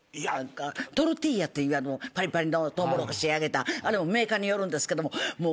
トルティーヤっていうパリパリのトウモロコシ揚げたあれもメーカーによるんですけども。